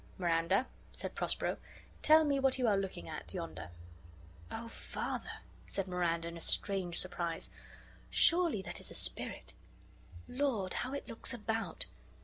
"Miranda," said Prospero, "tell me what you are looking at yonder." "Oh, father," said Miranda, in a strange surprise, "surely that is a spirit. Lord! how it looks about!